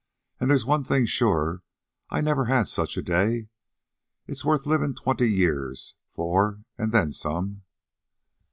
"An' there's one thing sure: I never had such a day. It's worth livin' twenty years for an' then some."